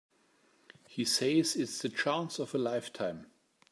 He says it's the chance of a lifetime.